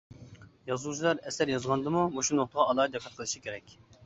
يازغۇچىلار ئەسەر يازغاندىمۇ مۇشۇ نۇقتىغا ئالاھىدە دىققەت قىلىشى كېرەك.